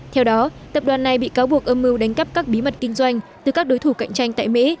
theo đó tập đoàn này bị cáo buộc âm mưu đánh cắp các bí mật kinh doanh từ các đối thủ cạnh tranh tại mỹ